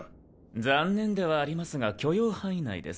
残念ではありますが許容範囲内です。